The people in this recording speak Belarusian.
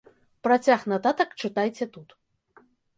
Працяг нататак чытайце тут.